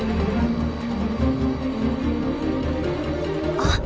あっ！